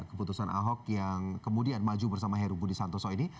keputusan ahok yang kemudian maju bersama heru budi santoso ini